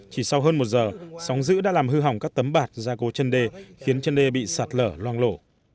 chỉ sau hơn một giờ sóng dữ đã làm hư hỏng các tấm bạc ra cố chân đê khiến chân đê bị sạt lở loang lộ